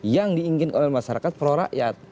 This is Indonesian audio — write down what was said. yang diinginkan oleh masyarakat prorakyat